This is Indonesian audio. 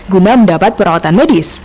guman mendapat perawatan medis